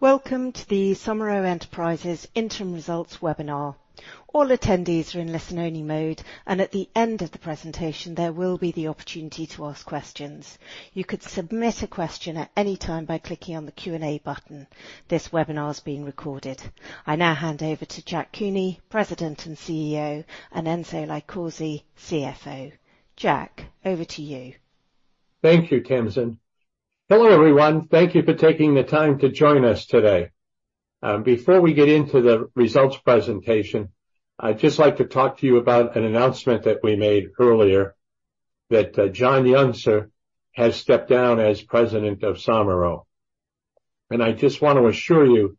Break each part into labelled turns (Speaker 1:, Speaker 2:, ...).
Speaker 1: Welcome to the Somero Enterprises Interim Results Webinar. All attendees are in listen-only mode, and at the end of the presentation, there will be the opportunity to ask questions. You could submit a question at any time by clicking on the Q&A button. This webinar is being recorded. I now hand over to Jack Cooney, President and CEO, and Enzo LiCausi, CFO. Jack, over to you.
Speaker 2: Thank you, Tamsin. Hello, everyone. Thank you for taking the time to join us today. Before we get into the results presentation, I'd just like to talk to you about an announcement that we made earlier, that John Yuncza has stepped down as president of Somero. I just want to assure you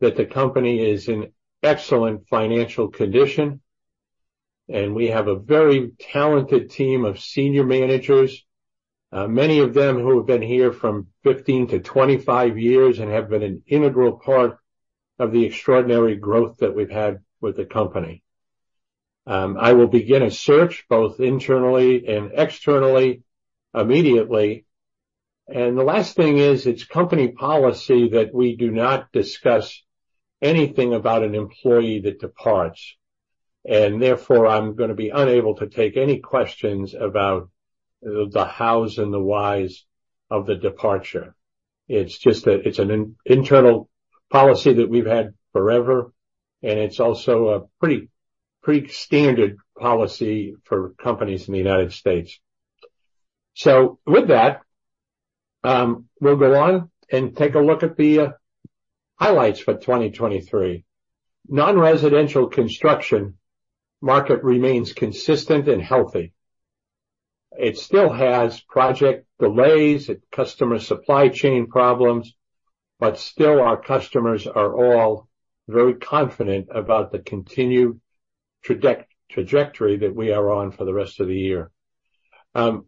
Speaker 2: that the company is in excellent financial condition, and we have a very talented team of senior managers, many of them who have been here from 15-25 years and have been an integral part of the extraordinary growth that we've had with the company. I will begin a search, both internally and externally, immediately. The last thing is, it's company policy that we do not discuss anything about an employee that departs, and therefore, I'm gonna be unable to take any questions about the hows and the whys of the departure. It's just that it's an internal policy that we've had forever, and it's also a pretty, pretty standard policy for companies in the United States. So with that, we'll go on and take a look at the highlights for 2023. Non-residential construction market remains consistent and healthy. It still has project delays and customer supply chain problems, but still, our customers are all very confident about the continued trajectory that we are on for the rest of the year.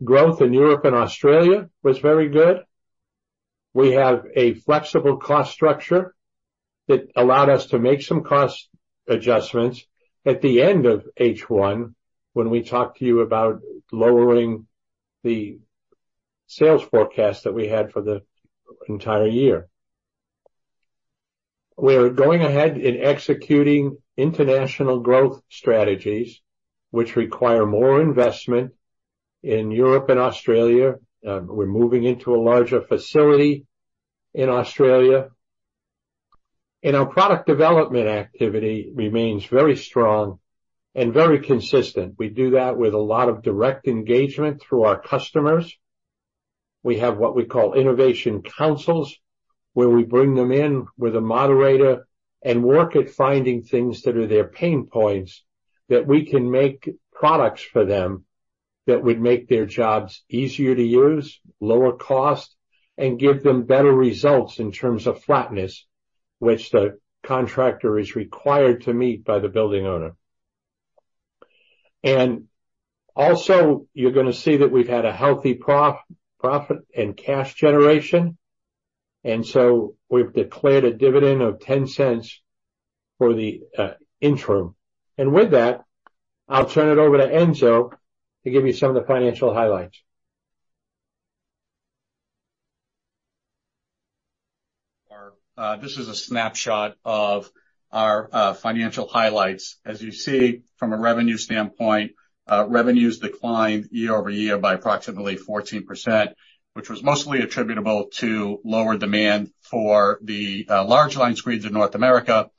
Speaker 2: Growth in Europe and Australia was very good. We have a flexible cost structure that allowed us to make some cost adjustments at the end of H1 when we talked to you about lowering the sales forecast that we had for the entire year. We're going ahead in executing international growth strategies, which require more investment in Europe and Australia. We're moving into a larger facility in Australia, and our product development activity remains very strong and very consistent. We do that with a lot of direct engagement through our customers. We have what we call innovation councils, where we bring them in with a moderator and work at finding things that are their pain points, that we can make products for them that would make their jobs easier to use, lower cost, and give them better results in terms of flatness, which the contractor is required to meet by the building owner. Also, you're gonna see that we've had a healthy profit and cash generation, and so we've declared a dividend of $0.10 for the interim. With that, I'll turn it over to Enzo to give you some of the financial highlights.
Speaker 3: This is a snapshot of our financial highlights. As you see, from a revenue standpoint, revenues declined year-over-year by approximately 14%, which was mostly attributable to lower demand for the large Laser Screeds in North America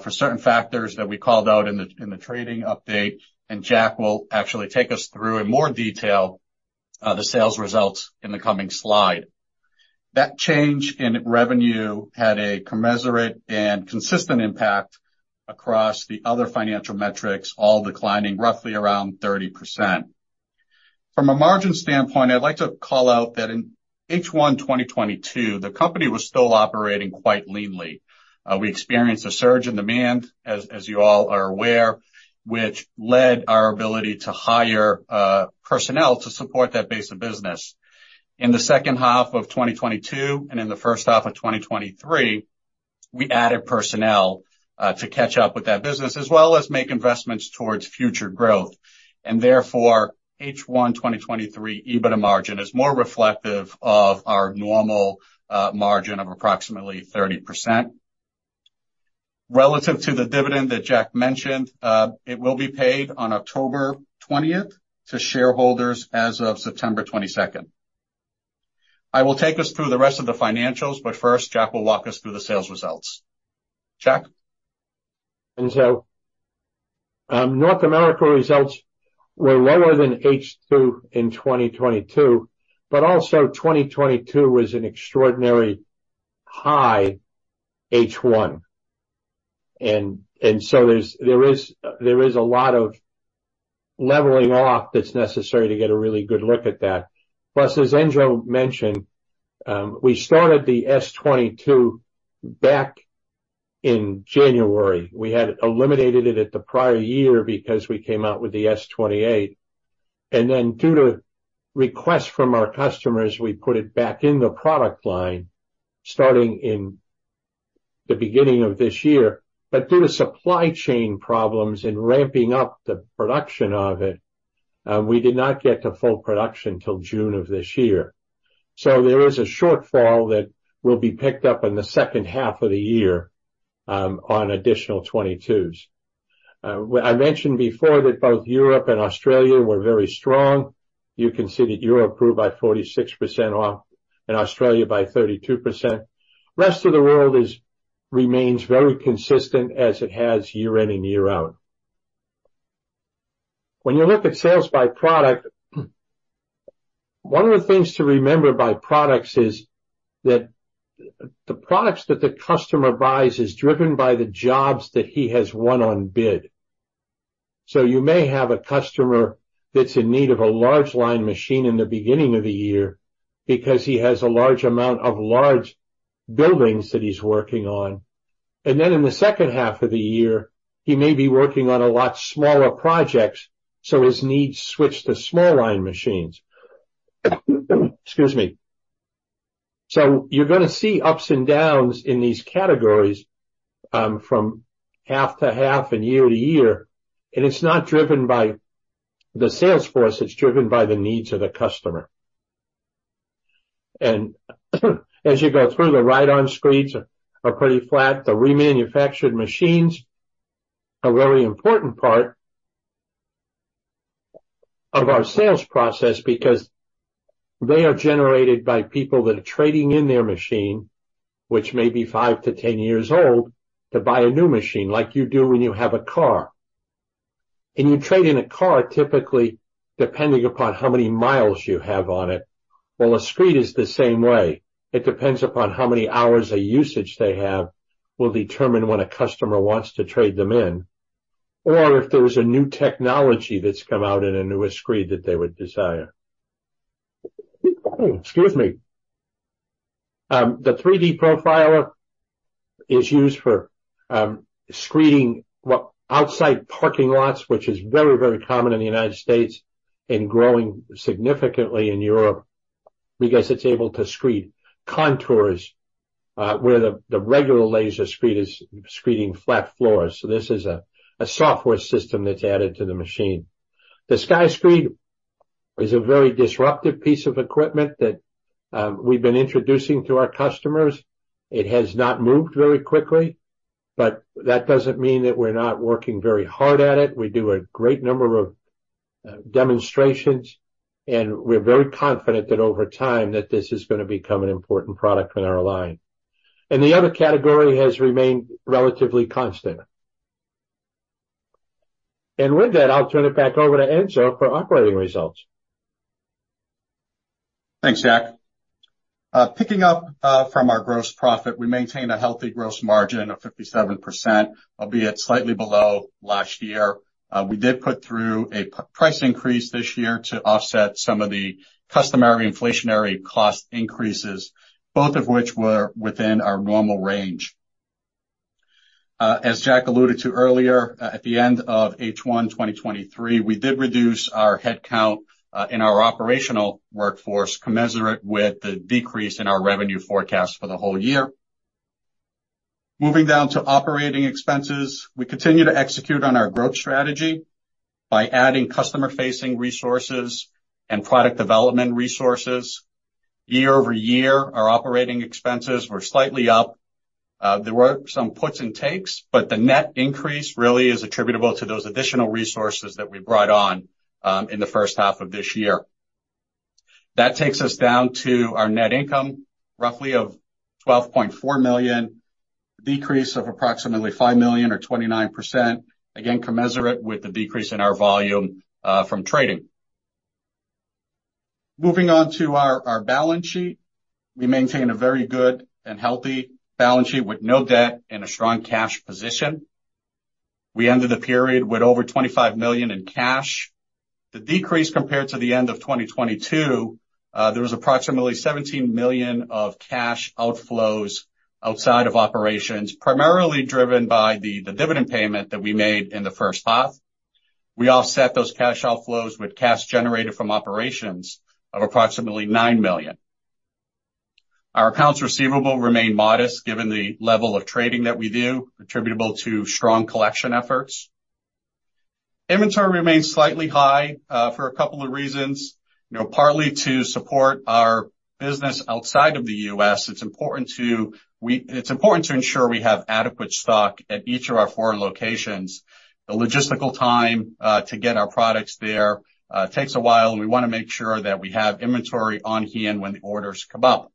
Speaker 3: for certain factors that we called out in the trading update, and Jack will actually take us through, in more detail, the sales results in the coming slide. That change in revenue had a commensurate and consistent impact across the other financial metrics, all declining roughly around 30%. From a margin standpoint, I'd like to call out that in H1 2022, the company was still operating quite leanly. We experienced a surge in demand, as you all are aware, which led our ability to hire personnel to support that base of business. In the second half of 2022, and in the first half of 2023, we added personnel, to catch up with that business, as well as make investments towards future growth. Therefore, H1 2023 EBITDA margin is more reflective of our normal, margin of approximately 30%. Relative to the dividend that Jack mentioned, it will be paid on October 20th to shareholders as of September twenty-second. I will take us through the rest of the financials, but first, Jack will walk us through the sales results. Jack?
Speaker 2: North America results were lower than H2 in 2022, but also, 2022 was an extraordinarily high H1. And so there's a lot of leveling off that's necessary to get a really good look at that. Plus, as Enzo mentioned, we started the S-22 back in January. We had eliminated it at the prior year because we came out with the S-28, and then due to requests from our customers, we put it back in the product line, starting in the beginning of this year, but due to supply chain problems and ramping up the production of it, we did not get to full production till June of this year. So there is a shortfall that will be picked up in the second half of the year, on additional S-22s. I mentioned before that both Europe and Australia were very strong. You can see that Europe grew by 46% and Australia by 32%. Rest of the world remains very consistent as it has year in and year out. When you look at sales by product, one of the things to remember by products is that the products that the customer buys is driven by the jobs that he has won on bid. So you may have a customer that's in need of a large line machine in the beginning of the year because he has a large amount of large buildings that he's working on, and then in the second half of the year, he may be working on a lot smaller projects, so his needs switch to small line machines. Excuse me. So you're gonna see ups and downs in these categories, from half-to-half and year-to-year, and it's not driven by the sales force, it's driven by the needs of the customer. As you go through, the ride-on screeds are pretty flat. The remanufactured machines are very important part of our sales process because they are generated by people that are trading in their machine, which may be 5-10 years old, to buy a new machine, like you do when you have a car. You trade in a car, typically, depending upon how many miles you have on it. Well, a screed is the same way. It depends upon how many hours of usage they have, will determine when a customer wants to trade them in, or if there is a new technology that's come out in a newer screed that they would desire. Excuse me. The 3-D Profiler is used for screening outside parking lots, which is very, very common in the United States and growing significantly in Europe because it's able to screed contours, where the regular Laser Screed is screeding flat floors. So this is a software system that's added to the machine. The Sky Screed is a very disruptive piece of equipment that we've been introducing to our customers. It has not moved very quickly, but that doesn't mean that we're not working very hard at it. We do a great number of demonstrations, and we're very confident that over time, that this is gonna become an important product in our line. And the other category has remained relatively constant. And with that, I'll turn it back over to Enzo for operating results.
Speaker 3: Thanks, Jack. Picking up from our gross profit, we maintain a healthy gross margin of 57%, albeit slightly below last year. We did put through a price increase this year to offset some of the customary inflationary cost increases, both of which were within our normal range. As Jack alluded to earlier, at the end of H1 2023, we did reduce our headcount in our operational workforce, commensurate with the decrease in our revenue forecast for the whole year. Moving down to operating expenses, we continue to execute on our growth strategy by adding customer-facing resources and product development resources. Year-over-year, our operating expenses were slightly up. There were some puts and takes, but the net increase really is attributable to those additional resources that we brought on in the first half of this year. That takes us down to our net income, roughly of $12.4 million, decrease of approximately $5 million or 29%. Again, commensurate with the decrease in our volume from trading. Moving on to our balance sheet. We maintain a very good and healthy balance sheet with no debt and a strong cash position. We ended the period with over $25 million in cash. The decrease compared to the end of 2022, there was approximately $17 million of cash outflows outside of operations, primarily driven by the dividend payment that we made in the first half. We offset those cash outflows with cash generated from operations of approximately $9 million. Our accounts receivable remain modest given the level of trading that we do, attributable to strong collection efforts. EBITDA remains slightly high for a couple of reasons. You know, partly to support our business outside of the U.S., it's important to ensure we have adequate stock at each of our foreign locations. The logistical time to get our products there takes a while, and we wanna make sure that we have inventory on hand when the orders come up.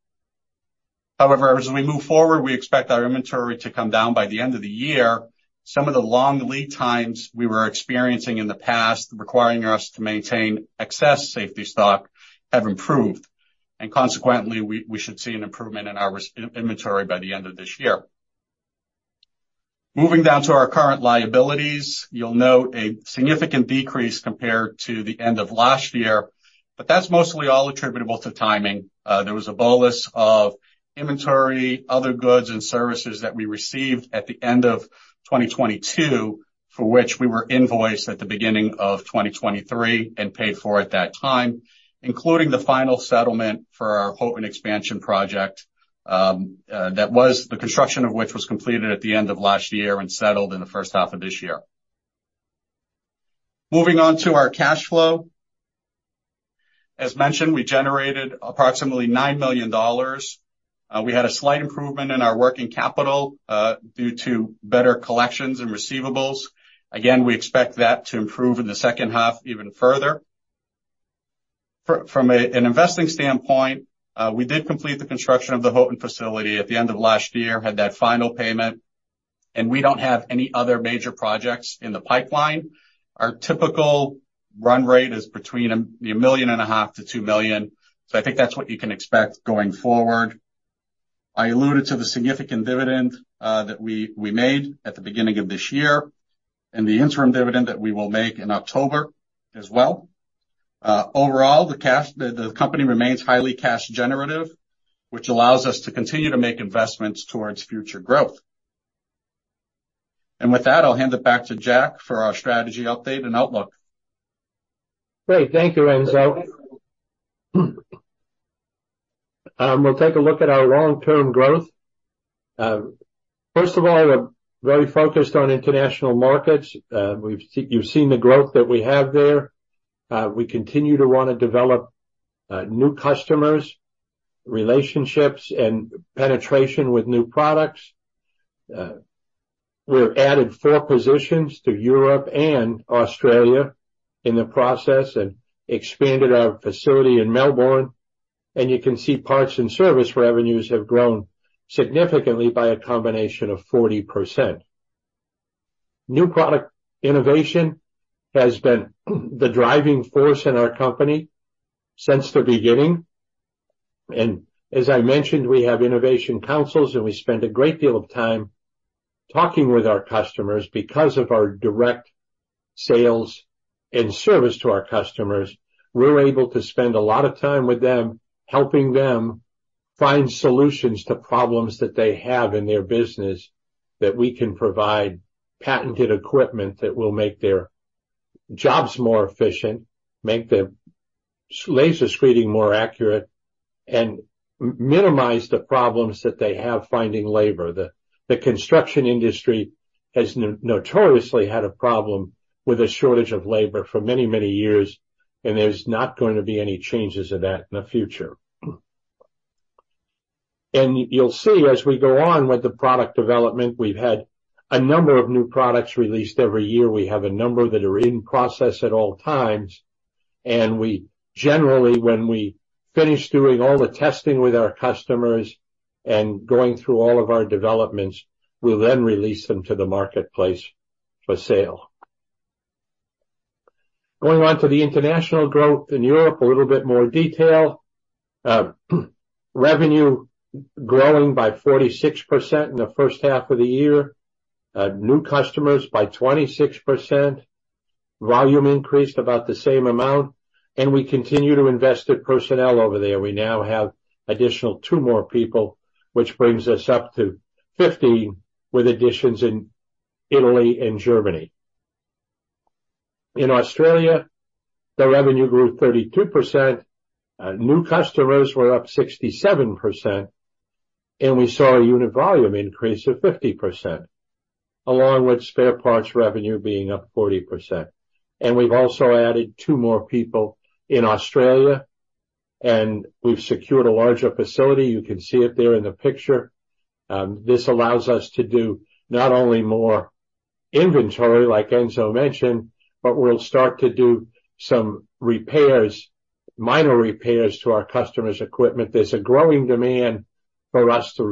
Speaker 3: However, as we move forward, we expect our inventory to come down by the end of the year. Some of the long lead times we were experiencing in the past, requiring us to maintain excess safety stock, have improved, and consequently, we should see an improvement in inventory by the end of this year. Moving down to our current liabilities, you'll note a significant decrease compared to the end of last year, but that's mostly all attributable to timing. There was a bolus of inventory, other goods and services that we received at the end of 2022 for which we were invoiced at the beginning of 2023, and paid for at that time, including the final settlement for our Houghton expansion project, that was the construction of which was completed at the end of last year and settled in the first half of this year. Moving on to our cash flow. As mentioned, we generated approximately $9 million. We had a slight improvement in our working capital due to better collections and receivables. Again, we expect that to improve in the second half even further. From an investing standpoint, we did complete the construction of the Houghton facility at the end of last year, had that final payment, and we don't have any other major projects in the pipeline. Our typical run rate is between $1.5 million-$2 million. So I think that's what you can expect going forward. I alluded to the significant dividend that we made at the beginning of this year, and the interim dividend that we will make in October as well. Overall, the company remains highly cash generative, which allows us to continue to make investments towards future growth. And with that, I'll hand it back to Jack for our strategy update and outlook.
Speaker 2: Great. Thank you, Enzo. We'll take a look at our long-term growth. First of all, we're very focused on international markets. You've seen the growth that we have there. We continue to want to develop new customers, relationships, and penetration with new products. We've added four positions to Europe and Australia in the process and expanded our facility in Melbourne, and you can see parts and service revenues have grown significantly by a combination of 40%. New product innovation has been the driving force in our company since the beginning, and as I mentioned, we have innovation councils, and we spend a great deal of time talking with our customers. Because of our direct sales and service to our customers, we're able to spend a lot of time with them, helping them find solutions to problems that they have in their business, that we can provide patented equipment that will make their jobs more efficient, make the laser screeding more accurate, and minimize the problems that they have finding labor. The construction industry has notoriously had a problem with a shortage of labor for many, many years, and there's not going to be any changes to that in the future. And you'll see, as we go on with the product development, we've had a number of new products released every year. We have a number that are in process at all times, and we generally, when we finish doing all the testing with our customers and going through all of our developments, we'll then release them to the marketplace for sale. Going on to the international growth in Europe, a little bit more detail. Revenue growing by 46% in the first half of the year. New customers by 26%. Volume increased about the same amount, and we continue to invest in personnel over there. We now have additional two more people, which brings us up to 15, with additions in Italy and Germany. In Australia, the revenue grew 32%, new customers were up 67%, and we saw a unit volume increase of 50%, along with spare parts revenue being up 40%. And we've also added two more people in Australia, and we've secured a larger facility. You can see it there in the picture. This allows us to do not only more inventory, like Enzo mentioned, but we'll start to do some repairs, minor repairs to our customers' equipment. There's a growing demand for us to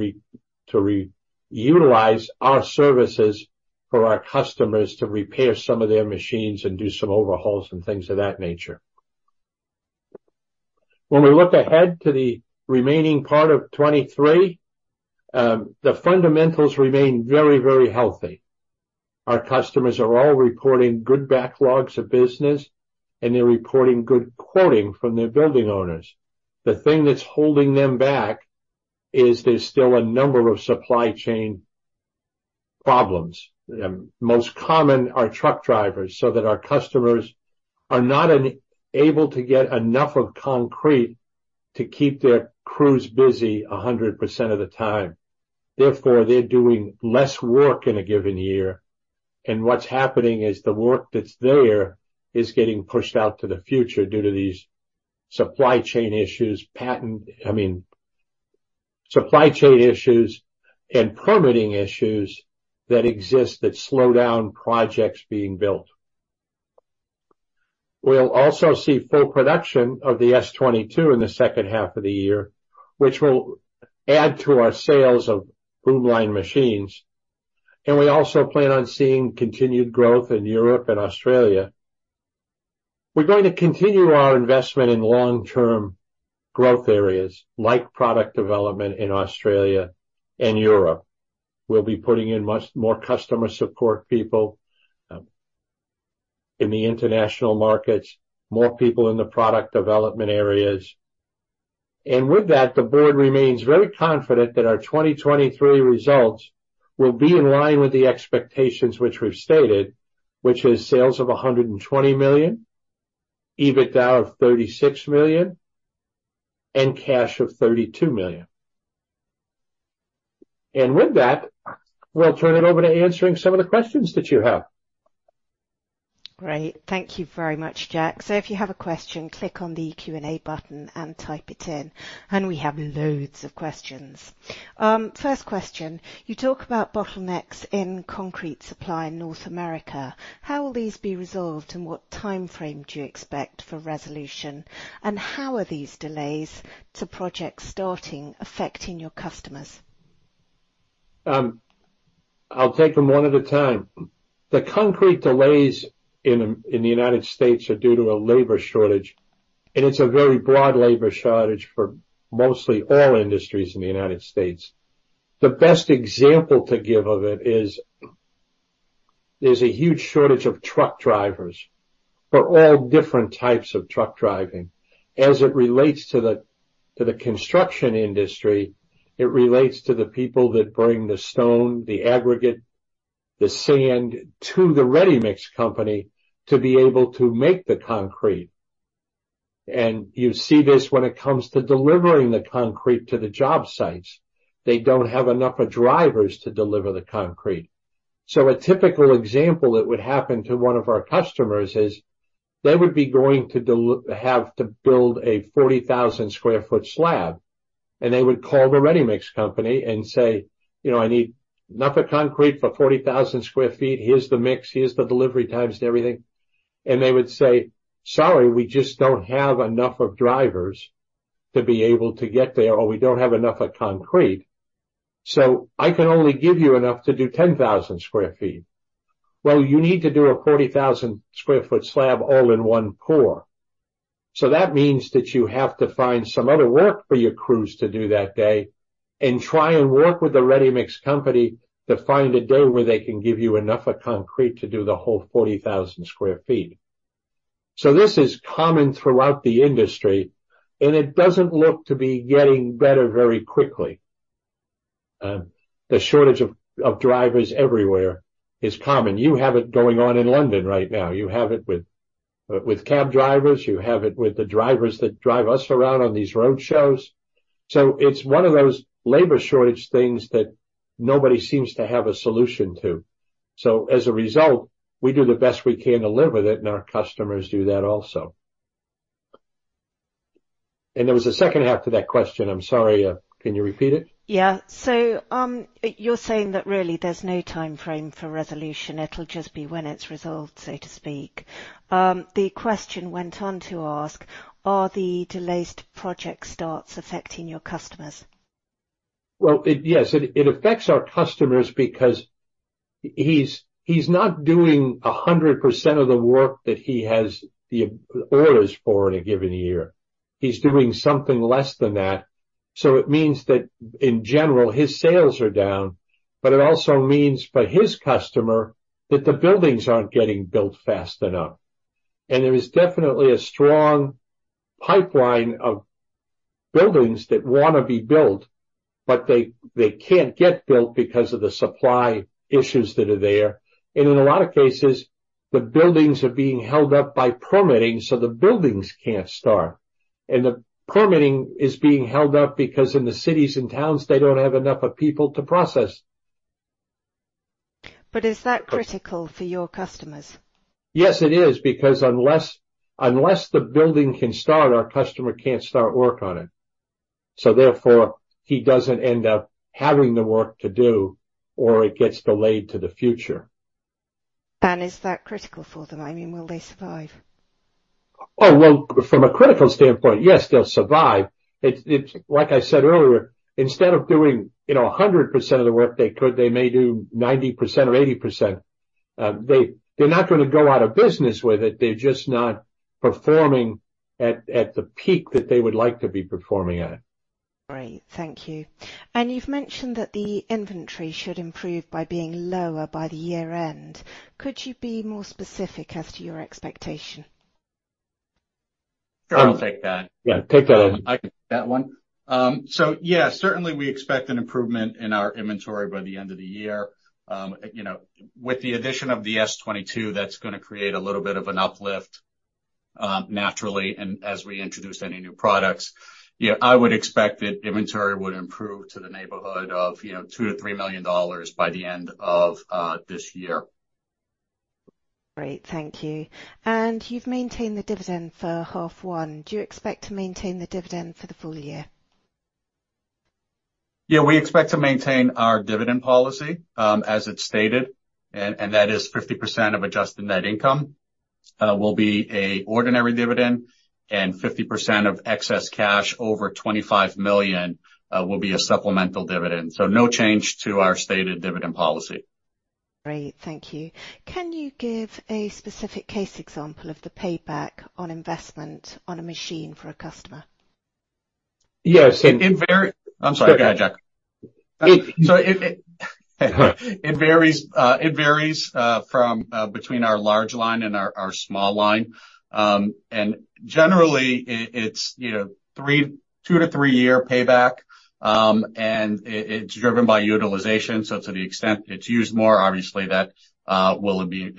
Speaker 2: re-utilize our services for our customers to repair some of their machines and do some overhauls and things of that nature. When we look ahead to the remaining part of 2023, the fundamentals remain very, very healthy. Our customers are all reporting good backlogs of business, and they're reporting good quoting from their building owners. The thing that's holding them back is there's still a number of supply chain problems. Most common are truck drivers, so that our customers are not able to get enough of concrete to keep their crews busy 100% of the time. Therefore, they're doing less work in a given year, and what's happening is the work that's there is getting pushed out to the future due to these supply chain issues and permitting issues that exist that slow down projects being built. We'll also see full production of the S-22 in the second half of the year, which will add to our sales of boom screed machines, and we also plan on seeing continued growth in Europe and Australia. We're going to continue our investment in long-term growth areas, like product development in Australia and Europe. We'll be putting in much more customer support people. In the international markets, more people in the product development areas. With that, the board remains very confident that our 2023 results will be in line with the expectations which we've stated, which is sales of $120 million, EBITDA of $36 million, and cash of $32 million. With that, we'll turn it over to answering some of the questions that you have.
Speaker 1: Great. Thank you very much, Jack. So if you have a question, click on the Q&A button and type it in. And we have loads of questions. First question: You talk about bottlenecks in concrete supply in North America. How will these be resolved, and what time frame do you expect for resolution? And how are these delays to project starting affecting your customers?
Speaker 2: I'll take them one at a time. The concrete delays in the United States are due to a labor shortage, and it's a very broad labor shortage for mostly all industries in the United States. The best example to give of it is, there's a huge shortage of truck drivers for all different types of truck driving. As it relates to the construction industry, it relates to the people that bring the stone, the aggregate, the sand, to the ready-mix company to be able to make the concrete. And you see this when it comes to delivering the concrete to the job sites. They don't have enough of drivers to deliver the concrete. So a typical example that would happen to one of our customers is, they would be going to have to build a 40,000 sq ft slab, and they would call the ready-mix company and say, "You know, I need enough of concrete for 40,000 sq ft. Here's the mix, here's the delivery times and everything." And they would say, "Sorry, we just don't have enough of drivers to be able to get there, or we don't have enough of concrete, so I can only give you enough to do 10,000 sq ft." Well, you need to do a 40,000 sq ft slab all in one pour. So that means that you have to find some other work for your crews to do that day and try and work with the ready-mix company to find a day where they can give you enough concrete to do the whole 40,000 sq ft. So this is common throughout the industry, and it doesn't look to be getting better very quickly. The shortage of drivers everywhere is common. You have it going on in London right now. You have it with cab drivers. You have it with the drivers that drive us around on these road shows. So it's one of those labor shortage things that nobody seems to have a solution to. So as a result, we do the best we can to live with it, and our customers do that also. And there was a second half to that question. I'm sorry, can you repeat it?
Speaker 1: Yeah. So, you're saying that really, there's no time frame for resolution. It'll just be when it's resolved, so to speak. The question went on to ask: Are the delayed project starts affecting your customers?
Speaker 2: Well, yes, it affects our customers because he's not doing 100% of the work that he has the orders for in a given year. He's doing something less than that, so it means that, in general, his sales are down, but it also means for his customer that the buildings aren't getting built fast enough. And there is definitely a strong pipeline of buildings that wanna be built, but they can't get built because of the supply issues that are there. And in a lot of cases, the buildings are being held up by permitting, so the buildings can't start. And the permitting is being held up because in the cities and towns, they don't have enough people to process.
Speaker 1: But is that critical for your customers?
Speaker 2: Yes, it is, because unless the building can start, our customer can't start work on it. So therefore, he doesn't end up having the work to do, or it gets delayed to the future.
Speaker 1: Is that critical for them? I mean, will they survive?
Speaker 2: Oh, well, from a critical standpoint, yes, they'll survive. It's like I said earlier, instead of doing you know, 100% of the work they could, they may do 90% or 80%. They're not gonna go out of business with it. They're just not performing at the peak that they would like to be performing at.
Speaker 1: Great. Thank you. You've mentioned that the inventory should improve by being lower by the year-end. Could you be more specific as to your expectation?
Speaker 3: Sure, I'll take that.
Speaker 2: Yeah, take that.
Speaker 3: I can take that one. So yeah, certainly, we expect an improvement in our inventory by the end of the year. You know, with the addition of the S-22, that's gonna create a little bit of an uplift, naturally, and as we introduce any new products. Yeah, I would expect that inventory would improve to the neighborhood of, you know, $2 million-$3 million by the end of this year.
Speaker 1: Great. Thank you. And you've maintained the dividend for the first half. Do you expect to maintain the dividend for the full year?
Speaker 3: Yeah, we expect to maintain our dividend policy, as it's stated, and that is 50% of adjusted net income will be an ordinary dividend, and 50% of excess cash over $25 million will be a supplemental dividend. So no change to our stated dividend policy.
Speaker 1: Great. Thank you. Can you give a specific case example of the payback on investment on a machine for a customer?...
Speaker 3: Yes, it—I'm sorry, go ahead, Jack. So it varies from between our large line and our small line. And generally, it's, you know, 2-3-year payback. And it's driven by utilization, so to the extent it's used more, obviously, that will be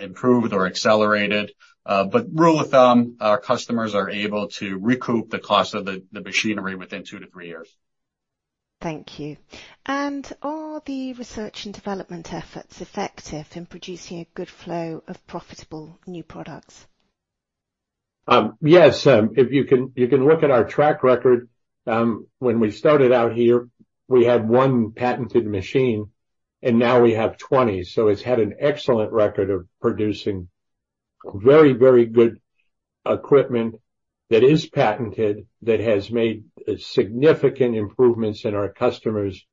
Speaker 3: improved or accelerated. But rule of thumb, our customers are able to recoup the cost of the machinery within 2-3 years.
Speaker 1: Thank you. Are the research and development efforts effective in producing a good flow of profitable new products?
Speaker 2: Yes, if you can, you can look at our track record. When we started out here, we had one patented machine, and now we have 20. So it's had an excellent record of producing very, very good equipment that is patented, that has made significant improvements in our customers'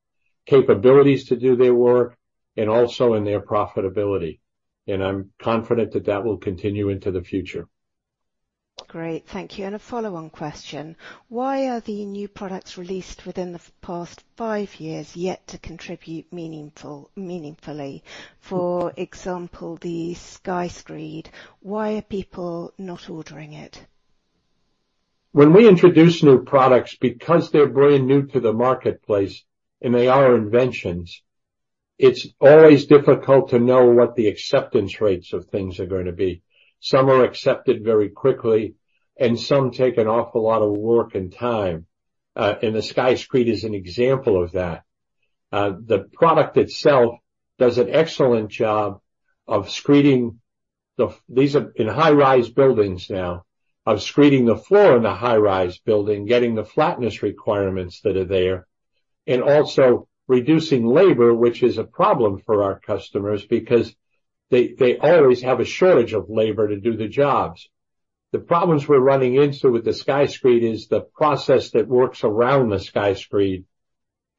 Speaker 2: capabilities to do their work and also in their profitability. And I'm confident that that will continue into the future.
Speaker 1: Great, thank you. And a follow-on question: Why are the new products released within the past five years yet to contribute meaningful, meaningfully, for example, the Sky Screed? Why are people not ordering it?
Speaker 2: When we introduce new products, because they're brand new to the marketplace, and they are inventions, it's always difficult to know what the acceptance rates of things are going to be. Some are accepted very quickly, and some take an awful lot of work and time, and the Sky Screed is an example of that. The product itself does an excellent job of screeding the floor in a high-rise building. These are in high-rise buildings now, getting the flatness requirements that are there, and also reducing labor, which is a problem for our customers because they always have a shortage of labor to do the jobs. The problems we're running into with the Sky Screed is the process that works around the Sky Screed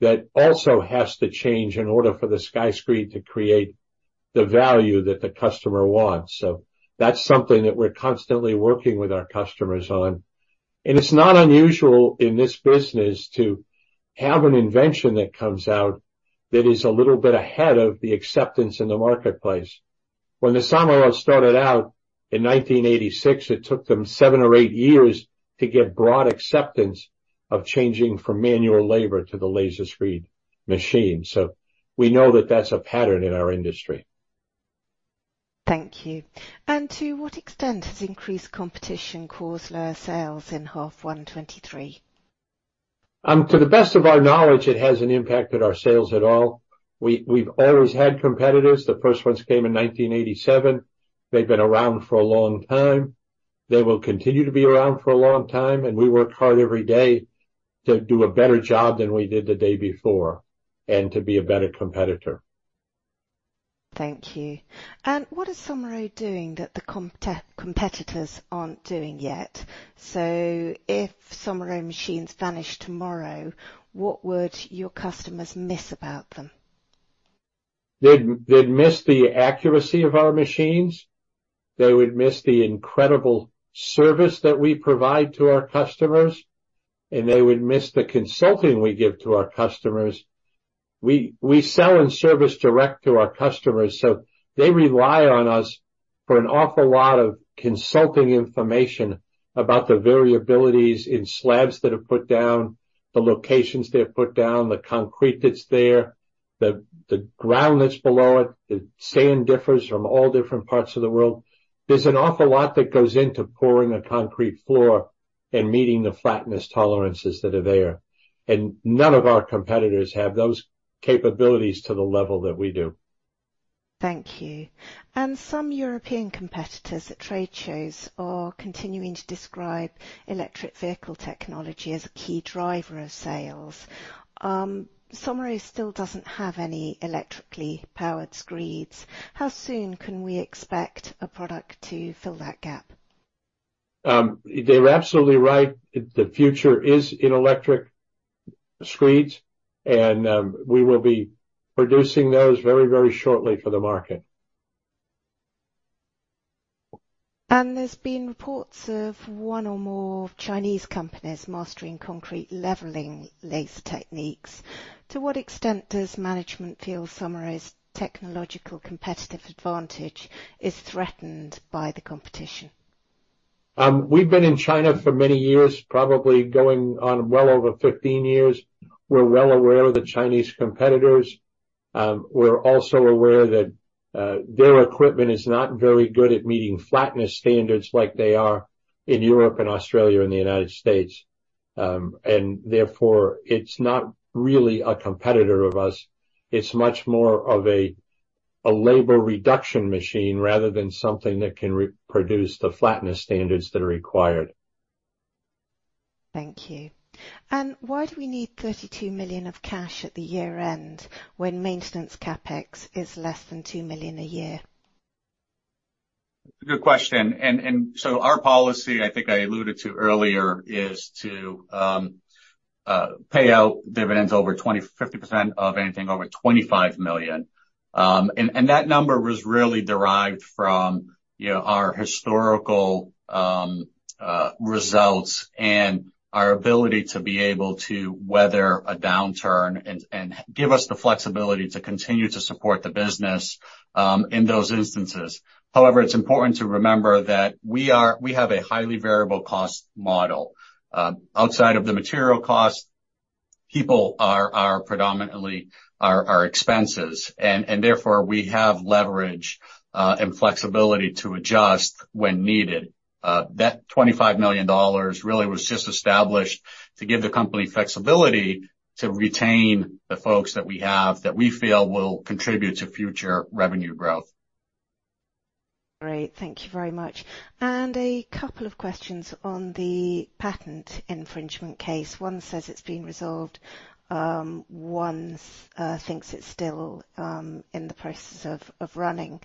Speaker 2: that also has to change in order for the Sky Screed to create the value that the customer wants. So that's something that we're constantly working with our customers on, and it's not unusual in this business to have an invention that comes out that is a little bit ahead of the acceptance in the marketplace. When Somero started out in 1986, it took them seven or eight years to get broad acceptance of changing from manual labor to the Laser Screed machine, so we know that that's a pattern in our industry.
Speaker 1: Thank you. To what extent has increased competition caused lower sales in H1 2023?
Speaker 2: To the best of our knowledge, it hasn't impacted our sales at all. We've always had competitors. The first ones came in 1987. They've been around for a long time. They will continue to be around for a long time, and we work hard every day to do a better job than we did the day before, and to be a better competitor.
Speaker 1: Thank you. What is Somero doing that the competitors aren't doing yet? If Somero machines vanish tomorrow, what would your customers miss about them?
Speaker 2: They'd miss the accuracy of our machines. They would miss the incredible service that we provide to our customers, and they would miss the consulting we give to our customers. We sell and service direct to our customers, so they rely on us for an awful lot of consulting information about the variabilities in slabs that are put down, the locations they're put down, the concrete that's there, the ground that's below it. The sand differs from all different parts of the world. There's an awful lot that goes into pouring a concrete floor and meeting the flatness tolerances that are there, and none of our competitors have those capabilities to the level that we do.
Speaker 1: Thank you. And some European competitors at trade shows are continuing to describe electric vehicle technology as a key driver of sales. Somero still doesn't have any electrically powered screeds. How soon can we expect a product to fill that gap?
Speaker 2: They're absolutely right. The future is in electric screeds, and we will be producing those very, very shortly for the market.
Speaker 1: There's been reports of one or more Chinese companies mastering concrete leveling laser techniques. To what extent does management feel Somero's technological competitive advantage is threatened by the competition?
Speaker 2: We've been in China for many years, probably going on well over 15 years. We're well aware of the Chinese competitors. We're also aware that their equipment is not very good at meeting flatness standards like they are in Europe and Australia and the United States. And therefore, it's not really a competitor of ours. It's much more of a labor reduction machine rather than something that can reproduce the flatness standards that are required.
Speaker 1: Thank you. Why do we need $32 million of cash at the year-end, when maintenance CapEx is less than $2 million a year?
Speaker 3: Good question, and so our policy, I think I alluded to earlier, is to pay out dividends over 25, 50% of anything over $25 million. And that number was really derived from you know, our historical results and our ability to be able to weather a downturn and give us the flexibility to continue to support the business, in those instances. However, it's important to remember that we have a highly variable cost model. Outside of the material costs, people are predominantly our expenses, and therefore, we have leverage and flexibility to adjust when needed. That $25 million really was just established to give the company flexibility to retain the folks that we have that we feel will contribute to future revenue growth.
Speaker 1: Great. Thank you very much. And a couple of questions on the patent infringement case. One says it's been resolved, one thinks it's still in the process of running.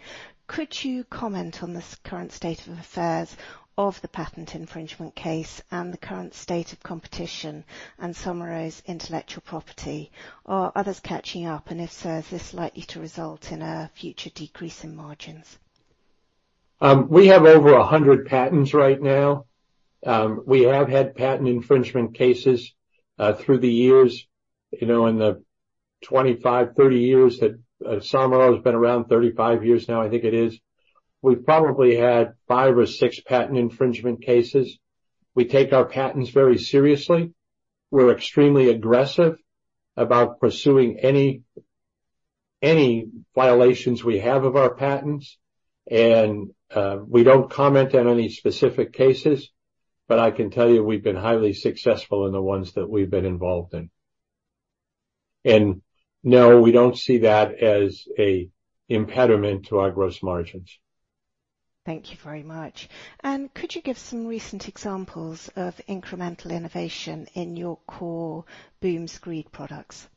Speaker 1: Could you comment on this current state of affairs of the patent infringement case and the current state of competition and summarize intellectual property? Are others catching up, and if so, is this likely to result in a future decrease in margins?
Speaker 2: We have over 100 patents right now. We have had patent infringement cases through the years. You know, in the 25, 30 years that Somero has been around 35 years now, I think it is. We've probably had five or six patent infringement cases. We take our patents very seriously. We're extremely aggressive about pursuing any, any violations we have of our patents, and we don't comment on any specific cases, but I can tell you we've been highly successful in the ones that we've been involved in. And no, we don't see that as an impediment to our gross margins.
Speaker 1: Thank you very much. And could you give some recent examples of incremental innovation in your core Boom Screed products?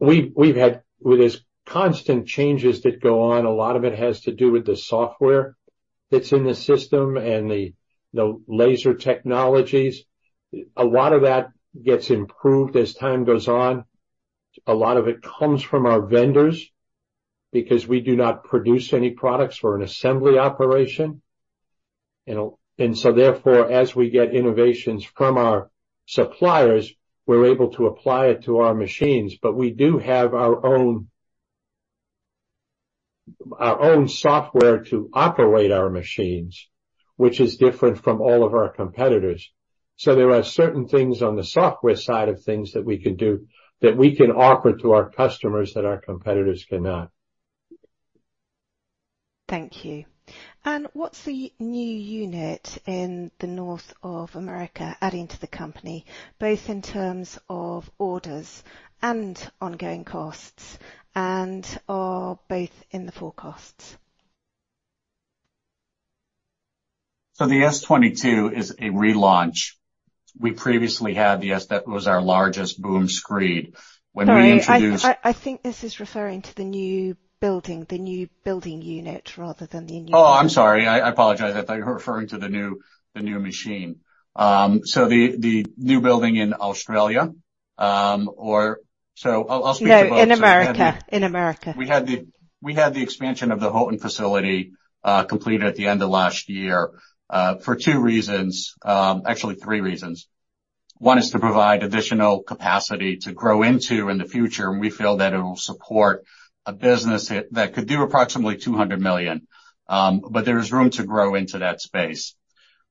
Speaker 2: Well, there's constant changes that go on. A lot of it has to do with the software that's in the system and the laser technologies. A lot of that gets improved as time goes on. A lot of it comes from our vendors because we do not produce any products. We're an assembly operation, and so therefore, as we get innovations from our suppliers, we're able to apply it to our machines. But we do have our own software to operate our machines, which is different from all of our competitors. So there are certain things on the software side of things that we can do, that we can offer to our customers, that our competitors cannot.
Speaker 1: Thank you. What's the new unit in North America adding to the company, both in terms of orders and ongoing costs, and are both in the forecasts?
Speaker 2: So the S-22 is a relaunch. We previously had the S-22. That was our largest boom screed. When we introduced-
Speaker 1: Sorry, I think this is referring to the new building, the new building unit, rather than the new-
Speaker 2: Oh, I'm sorry. I apologize. I thought you were referring to the new machine. So the new building in Australia, or so I'll speak to both-
Speaker 1: No, in America. In America.
Speaker 2: We had the expansion of the Houghton facility completed at the end of last year for two reasons, actually, three reasons. One is to provide additional capacity to grow into in the future, and we feel that it will support a business that could do approximately $200 million. But there is room to grow into that space.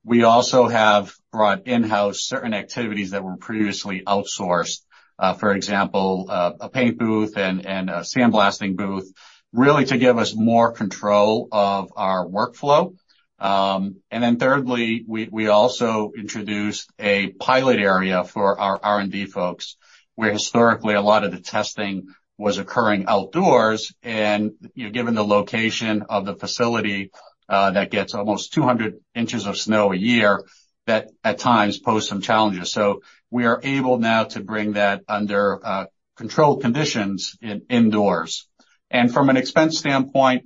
Speaker 2: We also have brought in-house certain activities that were previously outsourced. For example, a paint booth and a sandblasting booth, really, to give us more control of our workflow. And then thirdly, we also introduced a pilot area for our R&D folks, where historically, a lot of the testing was occurring outdoors, and you know, given the location of the facility, that gets almost 200 inches of snow a year, that at times posed some challenges. We are able now to bring that under controlled conditions indoors. From an expense standpoint,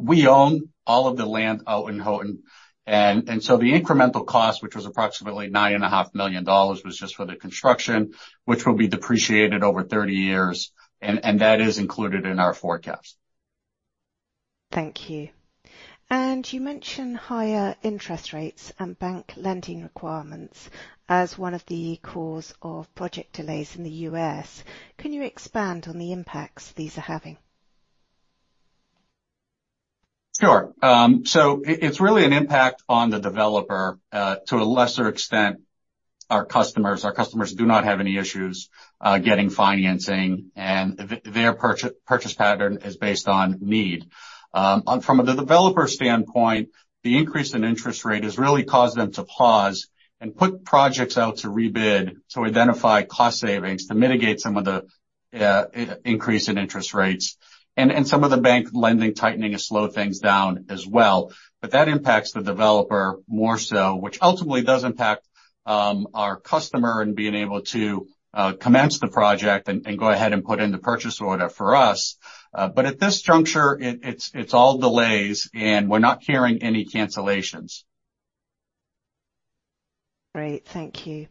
Speaker 2: we own all of the land out in Houghton, and so the incremental cost, which was approximately $9.5 million, was just for the construction, which will be depreciated over 30 years, and that is included in our forecast.
Speaker 1: Thank you. And you mentioned higher interest rates and bank lending requirements as one of the causes of project delays in the U.S. Can you expand on the impacts these are having?
Speaker 2: Sure. So it's really an impact on the developer, to a lesser extent, our customers. Our customers do not have any issues getting financing, and their purchase pattern is based on need. From the developer's standpoint, the increase in interest rate has really caused them to pause and put projects out to rebid, to identify cost savings, to mitigate some of the increase in interest rates. And some of the bank lending tightening has slowed things down as well, but that impacts the developer more so, which ultimately does impact our customer in being able to commence the project and go ahead and put in the purchase order for us. But at this juncture, it's all delays, and we're not hearing any cancellations. ...
Speaker 1: Great, thank you.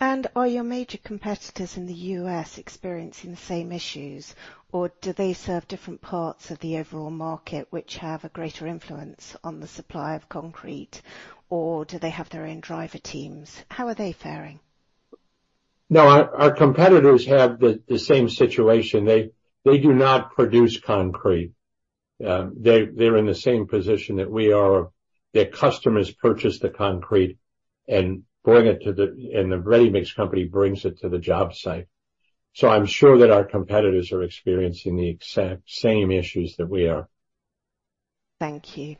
Speaker 1: Are your major competitors in the U.S. experiencing the same issues, or do they serve different parts of the overall market which have a greater influence on the supply of concrete, or do they have their own driver teams? How are they faring?
Speaker 2: No, our competitors have the same situation. They do not produce concrete. They're in the same position that we are. Their customers purchase the concrete, and the ready-mix company brings it to the job site. So I'm sure that our competitors are experiencing the exact same issues that we are.
Speaker 1: Thank you.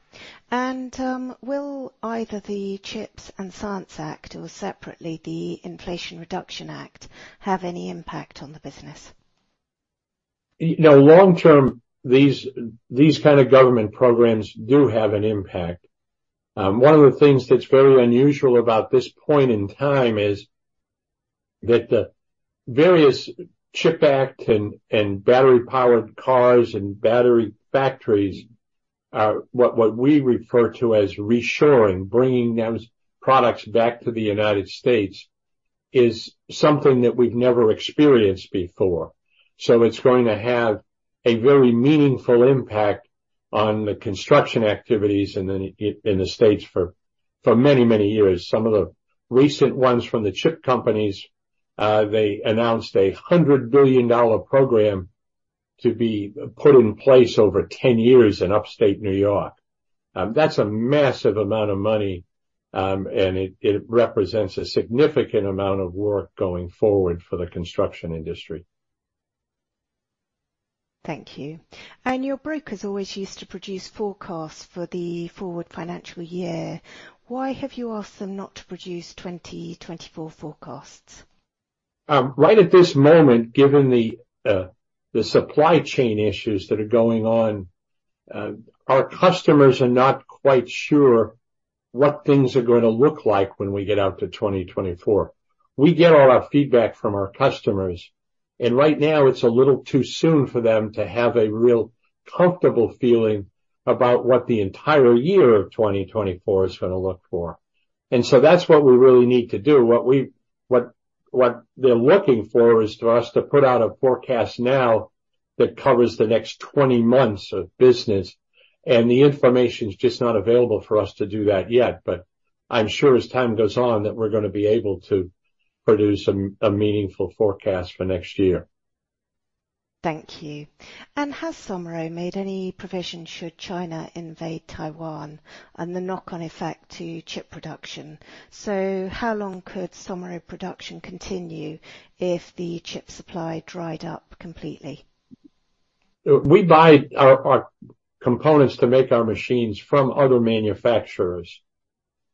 Speaker 1: And, will either the CHIPS and Science Act or separately, the Inflation Reduction Act, have any impact on the business?
Speaker 2: You know, long-term, these kind of government programs do have an impact. One of the things that's very unusual about this point in time is that the various CHIPS Act and battery-powered cars and battery factories are what we refer to as reshoring, bringing those products back to the United States, is something that we've never experienced before. So it's going to have a very meaningful impact on the construction activities in the States for many years. Some of the recent ones from the chip companies, they announced a $100 billion program to be put in place over 10 years in Upstate New York. That's a massive amount of money, and it represents a significant amount of work going forward for the construction industry.
Speaker 1: Thank you. Your brokers always used to produce forecasts for the forward financial year. Why have you asked them not to produce 2024 forecasts?
Speaker 2: Right at this moment, given the supply chain issues that are going on, our customers are not quite sure what things are gonna look like when we get out to 2024. We get all our feedback from our customers, and right now, it's a little too soon for them to have a real comfortable feeling about what the entire year of 2024 is gonna look for. And so that's what we really need to do. What they're looking for is for us to put out a forecast now that covers the next 20 months of business, and the information's just not available for us to do that yet. But I'm sure as time goes on, that we're gonna be able to produce a meaningful forecast for next year.
Speaker 1: Thank you. And has Somero made any provision, should China invade Taiwan, and the knock-on effect to chip production? So how long could Somero production continue if the chip supply dried up completely?
Speaker 2: We buy our components to make our machines from other manufacturers,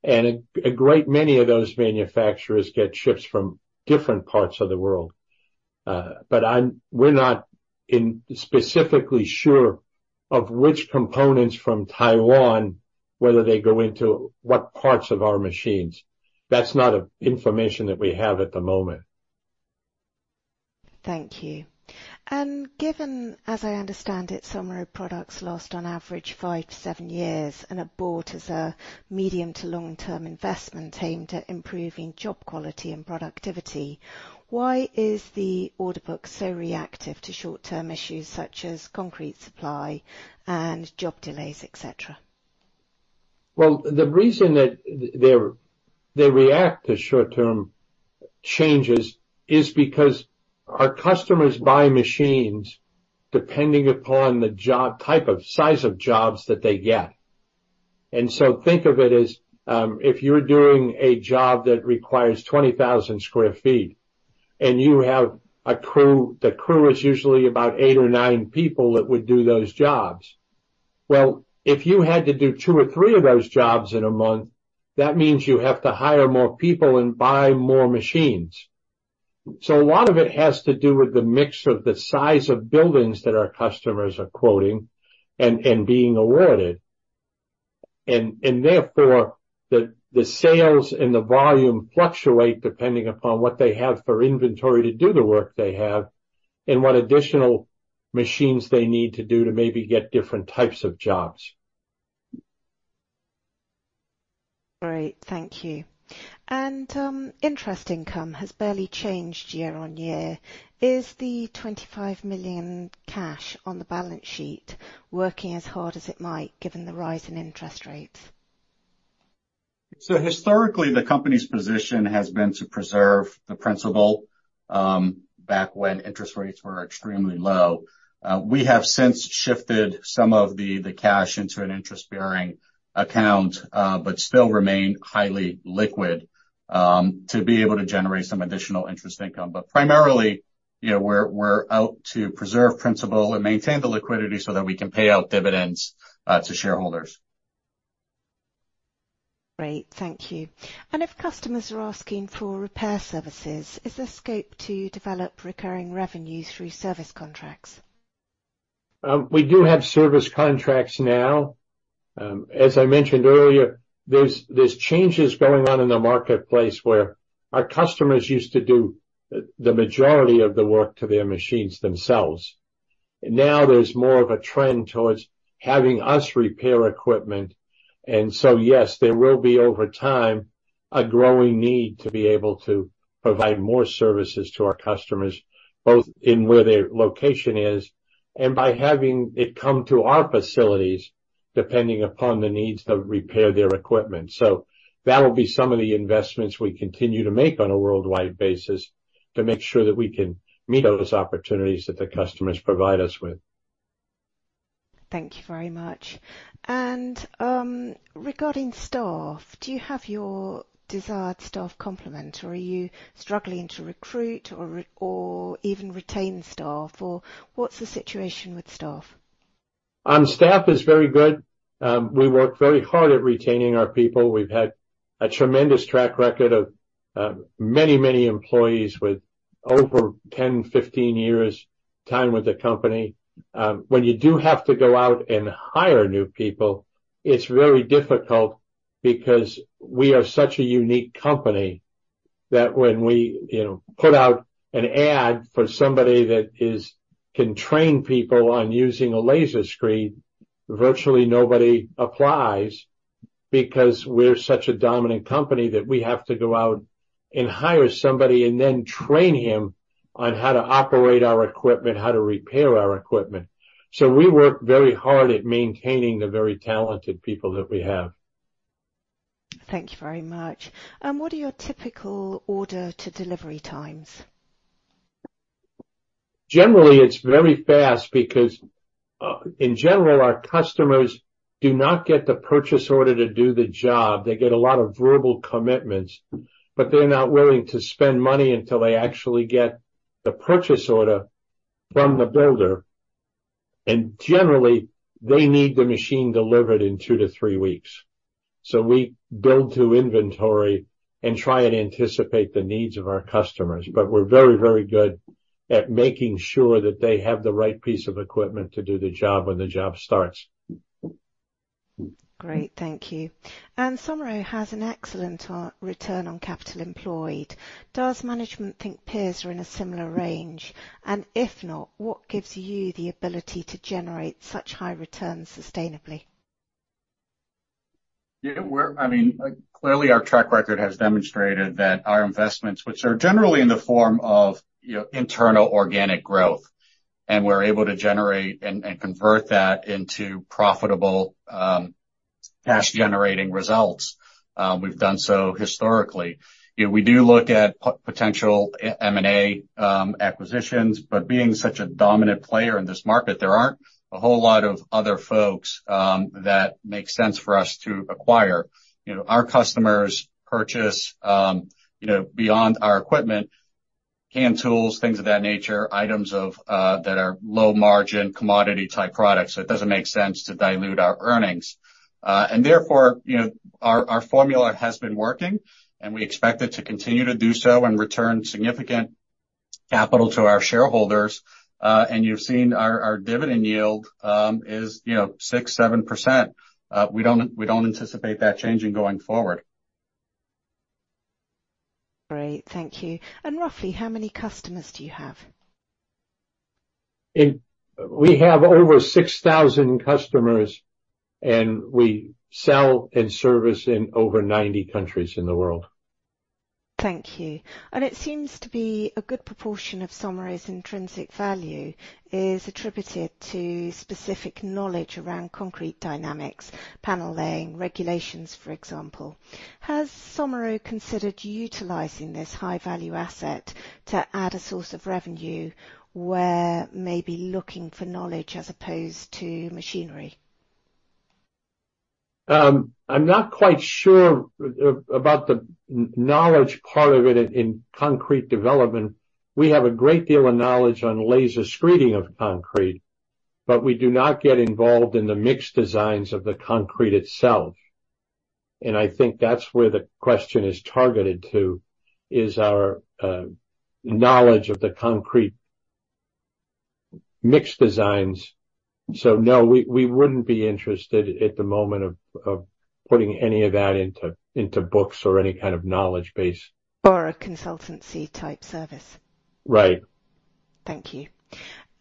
Speaker 2: and a great many of those manufacturers get chips from different parts of the world. But we're not specifically sure of which components from Taiwan, whether they go into what parts of our machines. That's not a information that we have at the moment.
Speaker 1: Thank you. Given, as I understand it, Somero products last on average 5-7 years and are bought as a medium to long-term investment aimed at improving job quality and productivity, why is the order book so reactive to short-term issues such as concrete supply and job delays, et cetera?
Speaker 2: Well, the reason that they react to short-term changes is because our customers buy machines depending upon the job, type of size of jobs that they get. And so think of it as if you're doing a job that requires 20,000 sq ft, and you have a crew, the crew is usually about eight or nine people that would do those jobs. Well, if you had to do two or three of those jobs in a month, that means you have to hire more people and buy more machines. So a lot of it has to do with the mix of the size of buildings that our customers are quoting and being awarded. Therefore, the sales and the volume fluctuate depending upon what they have for inventory to do the work they have, and what additional machines they need to do to maybe get different types of jobs.
Speaker 1: Great, thank you. Interest income has barely changed year-over-year. Is the $25 million cash on the balance sheet working as hard as it might, given the rise in interest rates?
Speaker 3: So historically, the company's position has been to preserve the principal back when interest rates were extremely low. We have since shifted some of the cash into an interest-bearing account, but still remain highly liquid to be able to generate some additional interest income. But primarily, you know, we're out to preserve principal and maintain the liquidity so that we can pay out dividends to shareholders.
Speaker 1: Great, thank you. If customers are asking for repair services, is there scope to develop recurring revenues through service contracts?
Speaker 2: We do have service contracts now. As I mentioned earlier, there's changes going on in the marketplace where our customers used to do the majority of the work to their machines themselves. Now there's more of a trend towards having us repair equipment. And so, yes, there will be, over time, a growing need to be able to provide more services to our customers, both in where their location is and by having it come to our facilities, depending upon the needs to repair their equipment. So that will be some of the investments we continue to make on a worldwide basis, to make sure that we can meet those opportunities that the customers provide us with.
Speaker 1: Thank you very much. Regarding staff, do you have your desired staff complement, or are you struggling to recruit or even retain staff, or what's the situation with staff?
Speaker 2: Staff is very good. We work very hard at retaining our people. We've had a tremendous track record of many, many employees with over 10, 15 years time with the company. When you do have to go out and hire new people, it's very difficult because we are such a unique company, that when we, you know, put out an ad for somebody that can train people on using a Laser Screed, virtually nobody applies because we're such a dominant company that we have to go out and hire somebody and then train him on how to operate our equipment, how to repair our equipment. So we work very hard at maintaining the very talented people that we have.
Speaker 1: Thank you very much. And what are your typical order-to-delivery times?
Speaker 2: Generally, it's very fast because in general, our customers do not get the purchase order to do the job. They get a lot of verbal commitments, but they're not willing to spend money until they actually get the purchase order from the builder. And generally, they need the machine delivered in 2-3 weeks. So we build to inventory and try and anticipate the needs of our customers, but we're very, very good at making sure that they have the right piece of equipment to do the job when the job starts.
Speaker 1: Great. Thank you. And Somero has an excellent return on capital employed. Does management think peers are in a similar range? And if not, what gives you the ability to generate such high returns sustainably?
Speaker 3: Yeah, we're—I mean, clearly, our track record has demonstrated that our investments, which are generally in the form of, you know, internal organic growth, and we're able to generate and convert that into profitable, cash-generating results. We've done so historically. You know, we do look at potential M&A, acquisitions, but being such a dominant player in this market, there aren't a whole lot of other folks that make sense for us to acquire. You know, our customers purchase, you know, beyond our equipment, hand tools, things of that nature, items of that are low-margin, commodity-type products. So it doesn't make sense to dilute our earnings. And therefore, you know, our formula has been working, and we expect it to continue to do so and return significant capital to our shareholders. And you've seen our dividend yield is, you know, 6%-7%. We don't anticipate that changing going forward.
Speaker 1: Great. Thank you. Roughly, how many customers do you have?
Speaker 2: We have over 6,000 customers, and we sell and service in over 90 countries in the world.
Speaker 1: Thank you. It seems to be a good proportion of Somero's intrinsic value is attributed to specific knowledge around concrete dynamics, panel laying, regulations, for example. Has Somero considered utilizing this high-value asset to add a source of revenue, where maybe looking for knowledge as opposed to machinery?
Speaker 2: I'm not quite sure about the knowledge part of it in concrete development. We have a great deal of knowledge on laser screeding of concrete, but we do not get involved in the mix designs of the concrete itself, and I think that's where the question is targeted to, is our knowledge of the concrete mix designs. So, no, we wouldn't be interested at the moment of putting any of that into books or any kind of knowledge base.
Speaker 1: Or a consultancy-type service?
Speaker 2: Right.
Speaker 1: Thank you.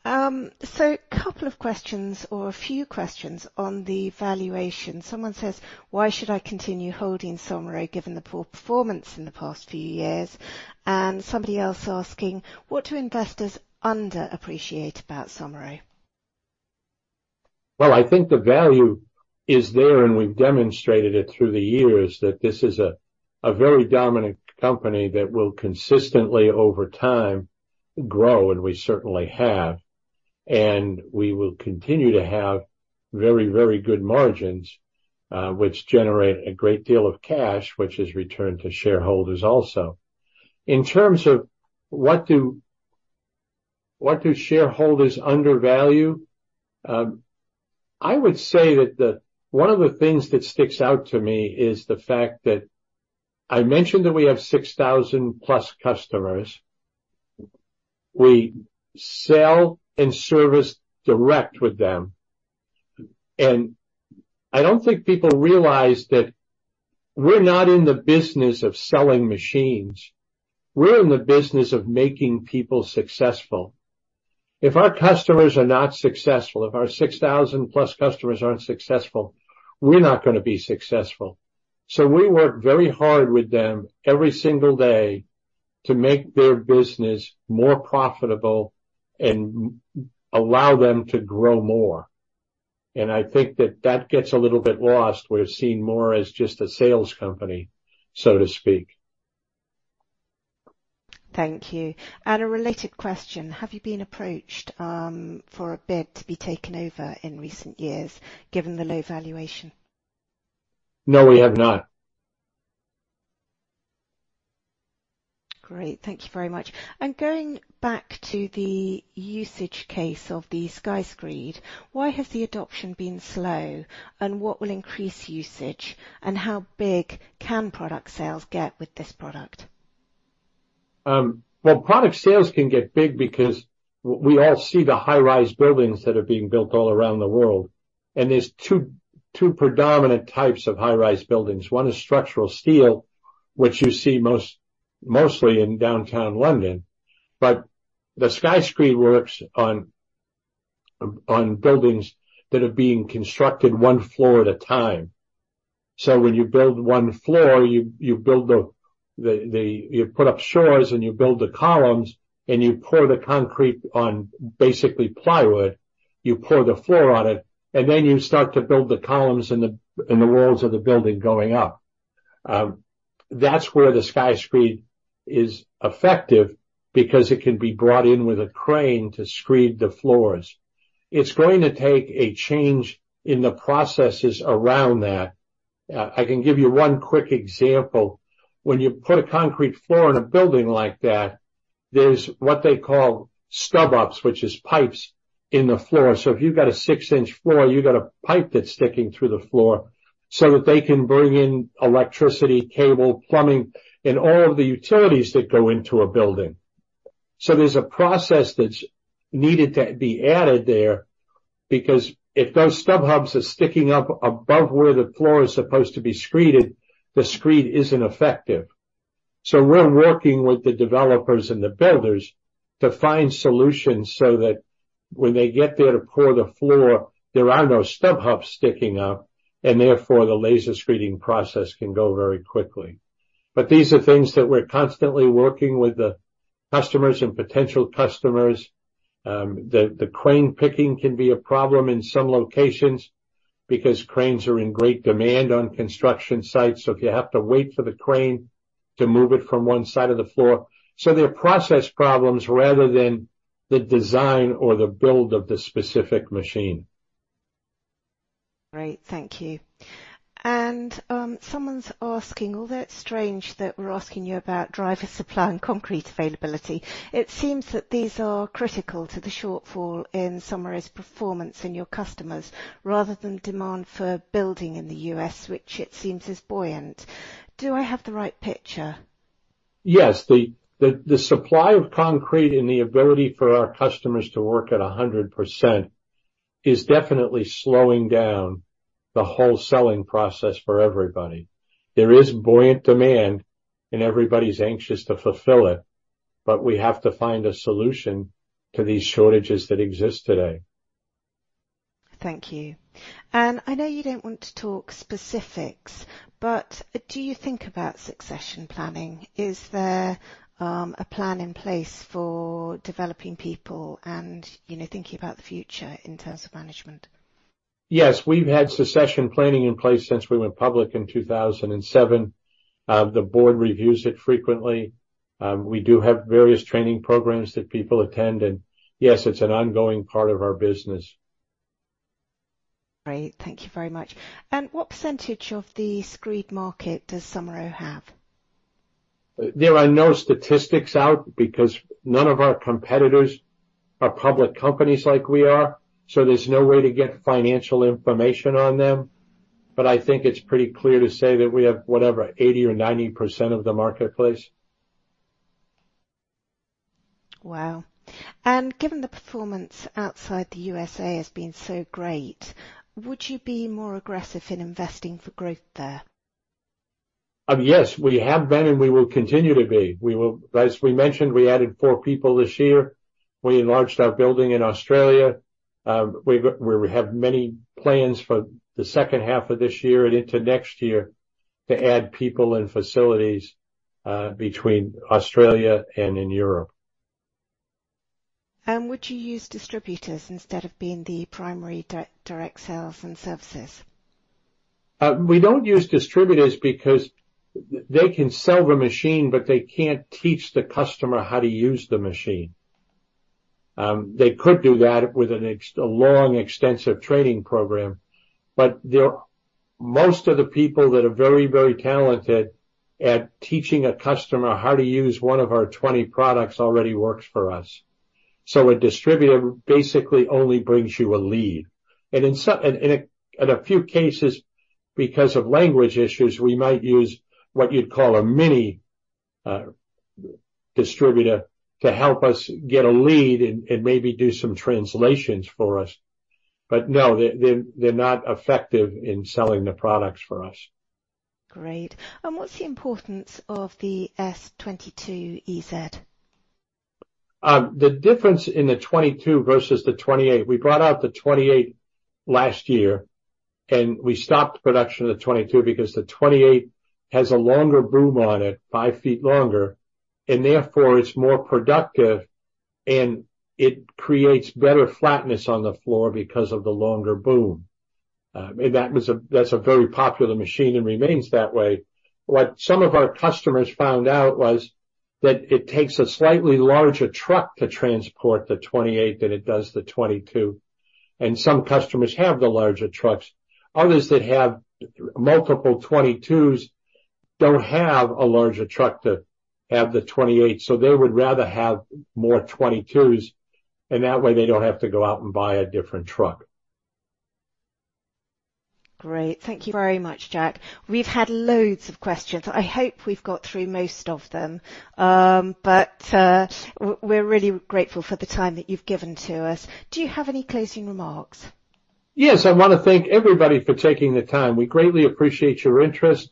Speaker 1: So couple of questions or a few questions on the valuation. Someone says: "Why should I continue holding Somero, given the poor performance in the past few years?" And somebody else asking: "What do investors underappreciate about Somero?
Speaker 2: Well, I think the value is there, and we've demonstrated it through the years, that this is a very dominant company that will consistently, over time, grow, and we certainly have. And we will continue to have very, very good margins, which generate a great deal of cash, which is returned to shareholders also. In terms of what shareholders undervalue? I would say that one of the things that sticks out to me is the fact that I mentioned that we have 6,000+ customers. We sell and service direct with them. And I don't think people realize that we're not in the business of selling machines. We're in the business of making people successful. If our customers are not successful, if our 6,000+ customers aren't successful, we're not gonna be successful. So we work very hard with them every single day to make their business more profitable and allow them to grow more. I think that that gets a little bit lost. We're seen more as just a sales company, so to speak.
Speaker 1: Thank you. And a related question: Have you been approached, for a bid to be taken over in recent years, given the low valuation?
Speaker 2: No, we have not.
Speaker 1: Great. Thank you very much. Going back to the usage case of the Sky Screed, why has the adoption been slow, and what will increase usage, and how big can product sales get with this product?
Speaker 2: Well, product sales can get big because we all see the high-rise buildings that are being built all around the world, and there's two predominant types of high-rise buildings. One is structural steel, which you see mostly in downtown London, but the Sky Screed works on buildings that are being constructed one floor at a time. So when you build one floor, you build the columns, and you pour the concrete on basically plywood. You pour the floor on it, and then you start to build the columns and the walls of the building going up. That's where the Sky Screed is effective because it can be brought in with a crane to screed the floors. It's going to take a change in the processes around that. I can give you one quick example. When you put a concrete floor in a building like that, there's what they call stub-ups, which is pipes in the floor. So if you've got a 6-inch floor, you got a pipe that's sticking through the floor so that they can bring in electricity, cable, plumbing, and all of the utilities that go into a building. So there's a process that's needed to be added there, because if those stub-ups are sticking up above where the floor is supposed to be screeded, the screed isn't effective. So we're working with the developers and the builders to find solutions so that when they get there to pour the floor, there are no stub-ups sticking up, and therefore, the laser screeding process can go very quickly. But these are things that we're constantly working with the customers and potential customers. The crane picking can be a problem in some locations because cranes are in great demand on construction sites. So if you have to wait for the crane to move it from one side of the floor... So they're process problems rather than the design or the build of the specific machine.
Speaker 1: Great. Thank you. And, someone's asking, although it's strange that we're asking you about driver supply and concrete availability, it seems that these are critical to the shortfall in Somero's performance in your customers, rather than demand for building in the U.S., which it seems is buoyant. Do I have the right picture?
Speaker 2: Yes. The supply of concrete and the ability for our customers to work at 100% is definitely slowing down the whole selling process for everybody. There is buoyant demand, and everybody's anxious to fulfill it, but we have to find a solution to these shortages that exist today.
Speaker 1: Thank you. And I know you don't want to talk specifics, but do you think about succession planning? Is there a plan in place for developing people and, you know, thinking about the future in terms of management?
Speaker 2: Yes, we've had succession planning in place since we went public in 2007. The board reviews it frequently. We do have various training programs that people attend, and yes, it's an ongoing part of our business.
Speaker 1: Great. Thank you very much. And what percentage of the screed market does Somero have?
Speaker 2: There are no statistics out because none of our competitors are public companies like we are, so there's no way to get financial information on them. But I think it's pretty clear to say that we have, whatever, 80% or 90% of the marketplace.
Speaker 1: Wow! Given the performance outside the USA has been so great, would you be more aggressive in investing for growth there?
Speaker 2: Yes, we have been, and we will continue to be. As we mentioned, we added four people this year. We enlarged our building in Australia. We have many plans for the second half of this year and into next year to add people and facilities, between Australia and in Europe.
Speaker 1: Would you use distributors instead of being the primary direct sales and services?
Speaker 2: We don't use distributors because they can sell the machine, but they can't teach the customer how to use the machine. They could do that with a long, extensive training program, but they're... Most of the people that are very, very talented at teaching a customer how to use one of our 20 products already works for us. So a distributor basically only brings you a lead. And in some—in a few cases, because of language issues, we might use what you'd call a mini-distributor to help us get a lead and maybe do some translations for us. But no, they, they're not effective in selling the products for us.
Speaker 1: Great. What's the importance of the S-22EZ?
Speaker 2: The difference in the 22 versus the 28, we brought out the 28 last year, and we stopped production of the 22 because the 28 has a longer boom on it, five feet longer, and therefore it's more productive, and it creates better flatness on the floor because of the longer boom. That's a very popular machine and remains that way. What some of our customers found out was that it takes a slightly larger truck to transport the 28 than it does the 22, and some customers have the larger trucks. Others that have multiple 22s don't have a larger truck to have the 28, so they would rather have more 22s, and that way they don't have to go out and buy a different truck.
Speaker 1: Great. Thank you very much, Jack. We've had loads of questions. I hope we've got through most of them. But we're really grateful for the time that you've given to us. Do you have any closing remarks?
Speaker 2: Yes. I wanna thank everybody for taking the time. We greatly appreciate your interest,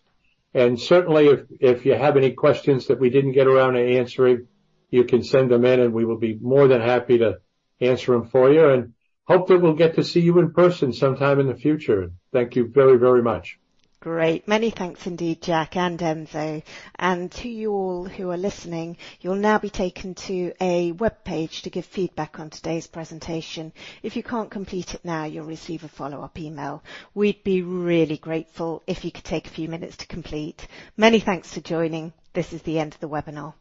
Speaker 2: and certainly, if you have any questions that we didn't get around to answering, you can send them in, and we will be more than happy to answer them for you. Hopefully, we'll get to see you in person sometime in the future. Thank you very, very much.
Speaker 1: Great. Many thanks indeed, Jack and Enzo. To you all who are listening, you'll now be taken to a webpage to give feedback on today's presentation. If you can't complete it now, you'll receive a follow-up email. We'd be really grateful if you could take a few minutes to complete. Many thanks for joining. This is the end of the webinar.